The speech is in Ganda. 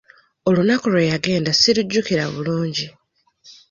Olunaku lwe yagenda ssirujjukira bulungi.